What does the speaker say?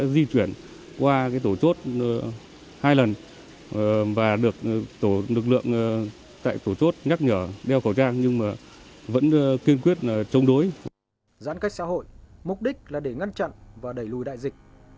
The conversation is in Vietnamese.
giãn cách xã hội mục đích là để ngăn chặn và đẩy lùi đại dịch